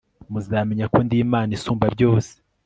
muzamenya ko ndi imana isumba byose